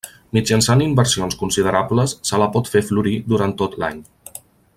Mitjançant inversions considerables se la pot fer florir durant tot l'any.